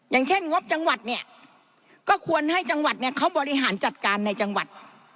อย่างเช่นงบจังหวัดเนี่ยก็ควรให้จังหวัดเนี่ยเขาบริหารจัดการในจังหวัด